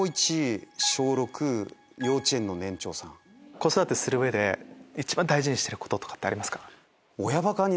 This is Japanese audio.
子育てする上で一番大事にしてることありますか？